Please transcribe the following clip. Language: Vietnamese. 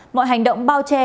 mọi hành động bao che